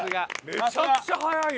めちゃくちゃ早いな。